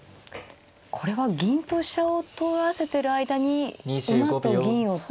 これは銀と飛車を取らせてる間に馬と銀を取ると。